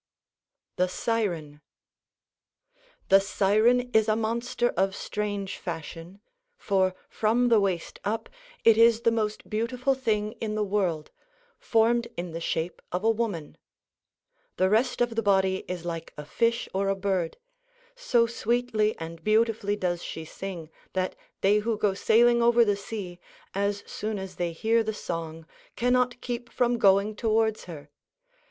THE SIREN The siren is a monster of strange fashion, for from the waist up it is the most beautiful thing in the world, formed in the shape of a woman. The rest of the body is like a fish or a bird. So sweetly and beautifully does she sing that they who go sailing over the sea, as soon as they hear the song, cannot keep from going towards her.